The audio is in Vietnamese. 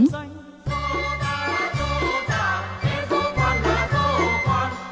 dô ta dô ta